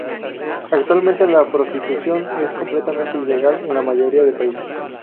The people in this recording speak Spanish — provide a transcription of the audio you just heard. Actualmente, la prostitución es completamente ilegal en la mayoría de países.